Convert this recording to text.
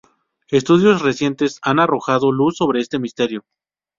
Estudios recientes han arrojado luz sobre este misterio.